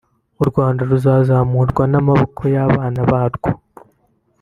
“U Rwanda ruzazamurwa n’amaboko y’abana barwo”